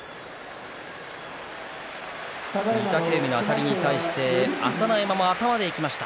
御嶽海のあたりに対して朝乃山も頭でいきました。